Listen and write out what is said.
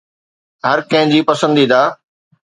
هر ڪنهن جي پسنديده